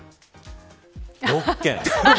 ６件。